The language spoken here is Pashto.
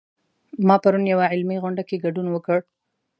ما پرون یوه علمي غونډه کې ګډون وکړ